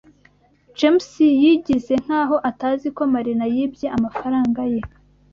James yigize nkaho atazi ko Marina yibye amafaranga ye.